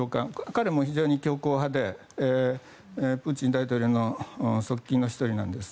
彼も非常に強硬派でプーチン大統領側近の１人です。